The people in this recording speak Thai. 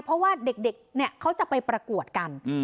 เพราะว่าเด็กเขาจะไปประกวดกัน